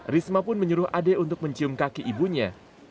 risma pun menyuruh ade untuk mencium kaki ibunya